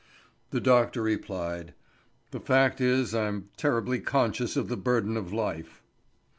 The doctor replied: "The fact is I am terribly conscious of the burden of life."